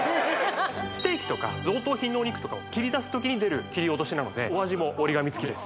ステーキとか贈答品のお肉とかを切り出す時に出る切り落としなのでお味も折り紙付きです